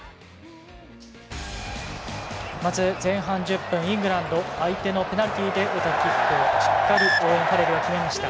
まず、前半１０分イングランド相手のペナルティで得たキックをしっかりオーウェン・ファレルが決めました。